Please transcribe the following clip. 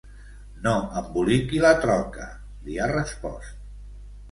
No emboliqui la troca, li ha respost.